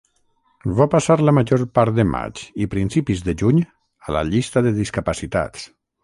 Va passar la major part de maig i principis de juny a la llista de discapacitats.